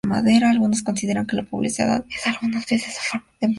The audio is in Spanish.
Algunos consideran que la publicidad es algunas veces una forma de manipulación mental.